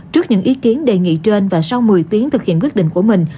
trước những ý kiến đề nghị trên và sau một mươi tiếng thực hiện quyết định của mình